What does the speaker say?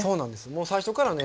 もう最初からね